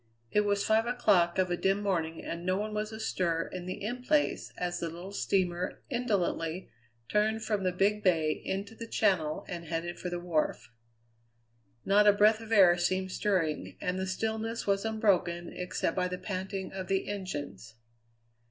It was five o'clock of a dim morning, and no one was astir in the In Place as the little steamer indolently turned from the Big Bay into the Channel and headed for the wharf. Not a breath of air seemed stirring, and the stillness was unbroken except by the panting of the engines.